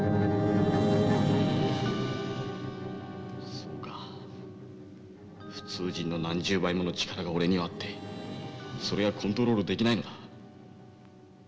そうか普通人の何十倍もの力が俺にはあってそれがコントロールできないのだ。